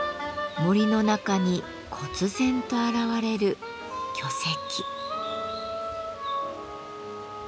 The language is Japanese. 森の中にこつ然と現れる巨石。